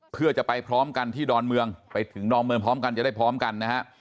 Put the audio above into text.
เพื่อจะไปพร้อมกันที่ดอนเมืองไปถึงดอนเมืองพร้อมกันจะได้พร้อมกันนะฮะ